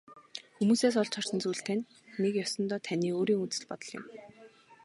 Хүмүүсээс олж харсан зүйл тань нэг ёсондоо таны өөрийн үзэл бодол юм.